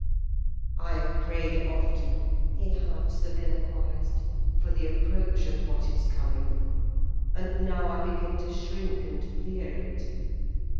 "I've prayed often," he half soliloquised, "for the approach of what is coming; and now I begin to shrink, and fear it.